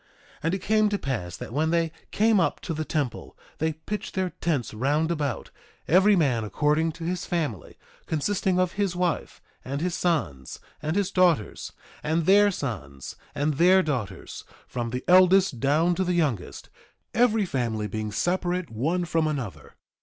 2:5 And it came to pass that when they came up to the temple, they pitched their tents round about, every man according to his family, consisting of his wife, and his sons, and his daughters, and their sons, and their daughters, from the eldest down to the youngest, every family being separate one from another.